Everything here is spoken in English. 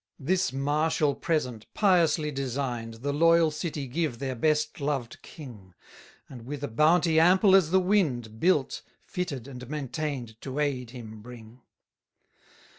154 This martial present, piously design'd, The loyal city give their best loved King: And with a bounty ample as the wind, Built, fitted, and maintain'd, to aid him bring.